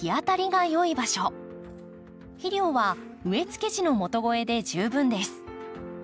肥料は植えつけ時の元肥で十分です。